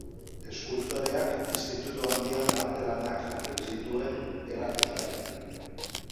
Eskultoreak institutu handian arte lanak jarri zituen erakusgai.